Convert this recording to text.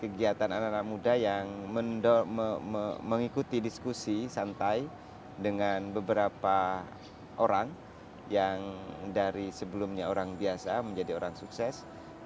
kegiatan anak anak muda yang mengikuti diskusi santai dengan beberapa orang yang dari sebelumnya orang biasa menjadi orang sukses